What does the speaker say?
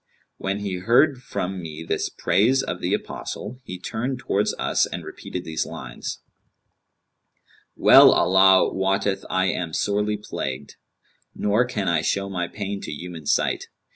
When he heard from me this praise of the Apostle he turned towards us and repeated these lines, 'Well Allah wotteth I am sorely plagued: * Nor can I show my pain to human sight.